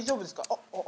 あっ。